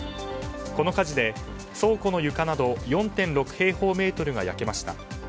この火事で倉庫の床など４．６平方メートルが焼けました。